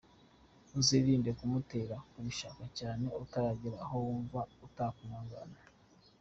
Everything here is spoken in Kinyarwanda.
Uzirinde kumutera kubishaka cyane utaragera aho wumva utakwihangana.